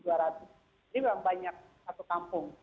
jadi memang banyak satu kampung